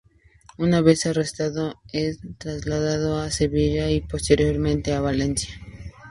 Una vez arrestado es trasladado a Sevilla y posteriormente a Valencia.